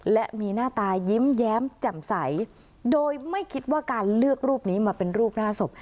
และมีหน้าตายิ้มแย้มแจ่มใสโดยไม่คิดว่าการเลือกรูปนี้มาเป็นรูปหน้าศพ